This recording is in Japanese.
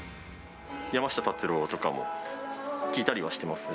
山下達郎とかも聴いたりはしてます。